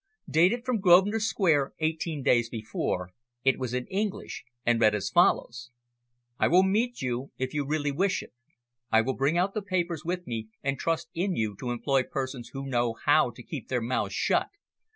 Dated from Grosvenor Square eighteen days before, it was in English, and read as follows: "_I will meet you if you really wish it. I will bring out the papers with me and trust in you to employ persons who know how to keep their mouths shut.